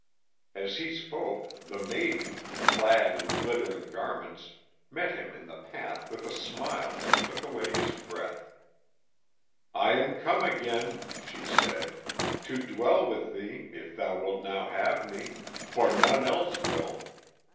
As he spoke, the maiden, clad in glittering garments, met him in the path with a smile that took away his breath. "I am come again," she said, "to dwell with thee if thou wilt now have me, for none else will.